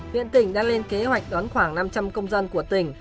viện tỉnh đang lên kế hoạch đón khoảng năm trăm linh công dân của tỉnh